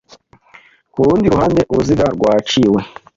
Ku rundi ruhande uruziga rwaciwe